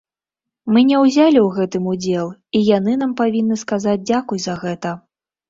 Мы не ўзялі ў гэтым удзел, і яны нам павінны сказаць дзякуй за гэта.